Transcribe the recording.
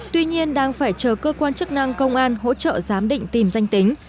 tuy nhiên đang phải chờ cơ quan chức năng công an hỗ trợ giám định tìm danh tính